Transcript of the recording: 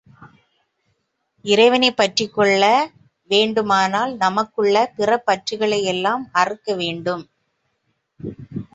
இறைவனைப் பற்றிக்கொள்ள வேண்டுமானால் நமக்குள்ள பிற பற்றுக்களை எல்லாம் அறுக்க வேண்டும்.